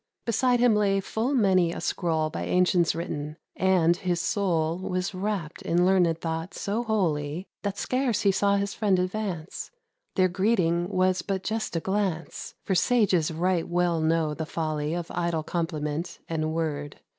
Beside him lay full many a scroll By ancients written; and his soul Was wrapt in learned thought so wholly, That scarce he saw his friend advance: Their greeting was but just a glance; For sages right well know the folly Of idle compliment and word.